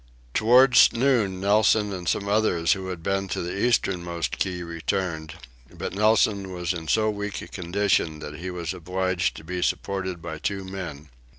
Towards noon Nelson and some others who had been to the easternmost key returned, but Nelson was in so weak a condition that he was obliged to be supported by two men.